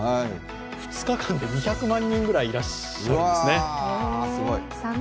２日間で２００万人ぐらいいらっしゃいますね。